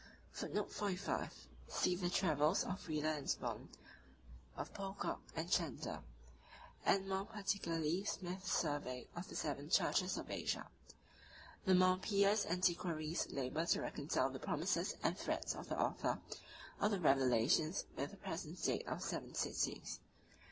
xiii. c. 13.] 45 (return) [ See the Travels of Wheeler and Spon, of Pocock and Chandler, and more particularly Smith's Survey of the Seven Churches of Asia, p. 205—276. The more pious antiquaries labor to reconcile the promises and threats of the author of the Revelations with the present state of the seven cities.